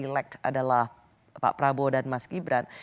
pilek adalah pak prabowo dan mas gibran